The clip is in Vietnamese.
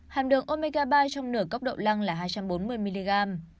hàm lượng omega ba trong nửa cốc đậu lăng là hai trăm bốn mươi mg